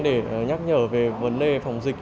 để nhắc nhở về vấn đề phòng dịch